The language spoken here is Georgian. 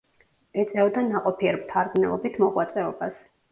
ეწეოდა ნაყოფიერ მთარგმნელობით მოღვაწეობას.